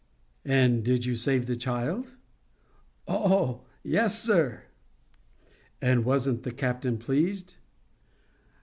"And did you save the child?" "Oh yes, sir." "And wasn't the captain pleased?"